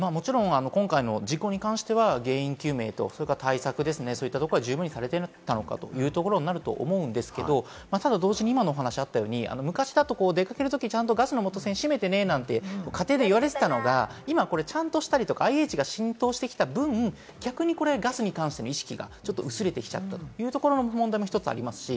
今回の事故に関しては原因究明と対策が十分にされていたのかというところになると思うんですけれど、同時に今のお話のように昔だと出掛けるときガスの元栓閉めてねなんて、家庭で言われていたのが、今はちゃんとしたり、ＩＨが浸透してきた分、逆にガスに関しての意識が薄れてきているというところの問題もありますし。